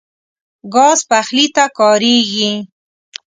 ګاز پخلي ته کارېږي.